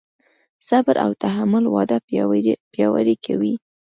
صبر او تحمل واده پیاوړی کوي.